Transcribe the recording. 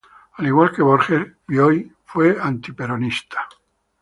Al igual que Borges, Bioy fue antiperonista.